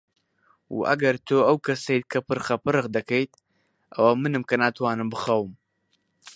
و ئەگەر تۆ ئەو کەسەیت کە پرخەپرخ دەکەیت، ئەوە منم کە ناتوانم بخەوم.